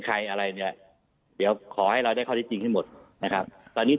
ใครอะไรเนี่ยเดี๋ยวขอให้เราได้ข้อที่จริงให้หมดนะครับตอนนี้